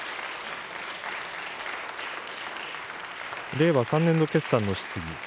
令和３年度決算の質疑。